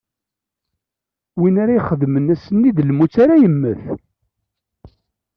Win ara ixedmen ass-nni, d lmut ara yemmet.